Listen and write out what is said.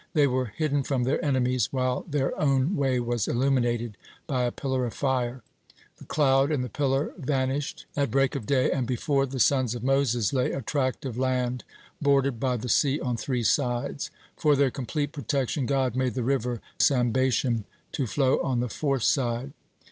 They were hidden from their enemies, while their own way was illuminated by a pillar of fire. The cloud and the pillar vanished at break of day, and before the Sons of Moses lay a tract of land bordered by the sea on three sides. For their complete protection God made the river Sambation to flow on the fourth side.